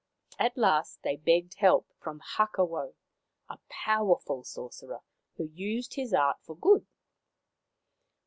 At last they begged help from Hakawau, a powerful sorcerer who used his art for good.